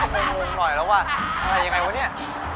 เป็นยังไปหน่อยล่ะวะอะไรยังไงวะเนี้ย